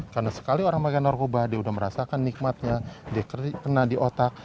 karena sekali orang pakai narkoba dia sudah merasakan nikmatnya dia kena di otak